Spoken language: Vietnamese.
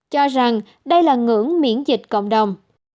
cho rằng đây là ngưỡng miễn dịch cộng đồng